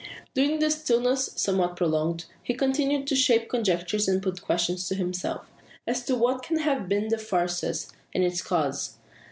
During the stillness, somewhat prolonged, he continues to shape conjectures and put questions to himself, as to what can have been the fracas, and its cause.